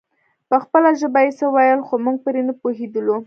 په خپله ژبه يې څه ويل خو موږ پرې نه پوهېدلو.